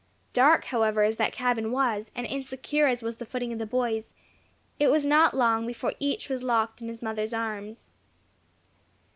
Dark, however, as that cabin was, and insecure as was the footing of the boys, it was not long before each was locked in his mother's arms.